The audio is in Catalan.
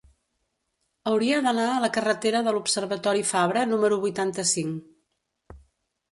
Hauria d'anar a la carretera de l'Observatori Fabra número vuitanta-cinc.